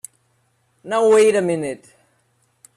Now wait a minute!